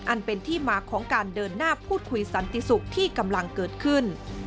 อันเป็นที่มาของการเดินหน้าพูดคุยสันติสุขที่กำลังเกิดขึ้น